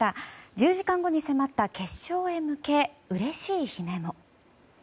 １０時間後に迫った決勝へ向けうれしい悲鳴も。